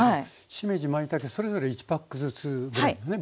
しめじまいたけそれぞれ１パックずつぐらいですね